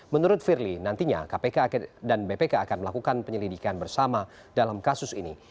menurut firly nantinya kpk dan bpk akan melakukan penyelidikan bersama dalam kasus ini